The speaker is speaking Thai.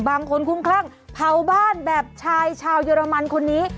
คุ้มคลั่งเผาบ้านแบบชายชาวเยอรมันคนนี้